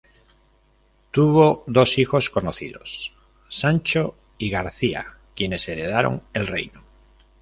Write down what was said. Tuvo dos hijos conocidos, Sancho y García quienes heredaron el reino.